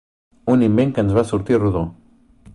Un invent que ens va sortir rodó.